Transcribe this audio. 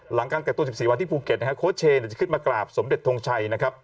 หลังกันแต่ต้น๑๔วันที่ภูเก็ตโค้ดเชย์จะขึ้นมากราบสมเด็จทรงชัย